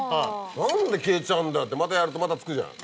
何で消えちゃうんだよってまたやるとまたつくじゃん。